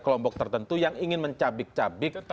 kelompok tertentu yang ingin mencabik cabik